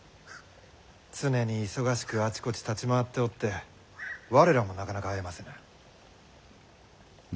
常に忙しくあちこち立ち回っておって我らもなかなか会えませぬ。